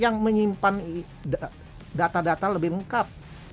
yang menyimpan data data lebih lengkap